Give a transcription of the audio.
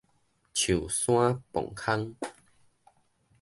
象山磅空